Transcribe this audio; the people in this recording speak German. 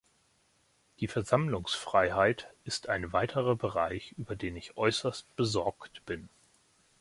Die Versammlungsfreiheit ist ein weiterer Bereich, über den ich äußerst besorgt bin.